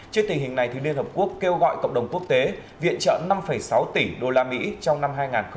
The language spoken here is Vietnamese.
trên tình hình này thì liên hợp quốc kêu gọi cộng đồng quốc tế viện trợ năm sáu tỷ usd trong năm hai nghìn hai mươi ba